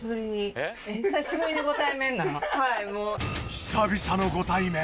久々のご対面。